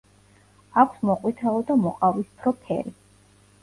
აქვს მოყვითალო და მოყავისფრო ფერი.